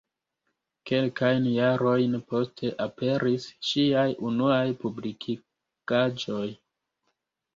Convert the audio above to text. Kelkajn jarojn poste aperis ŝiaj unuaj publikigaĵoj.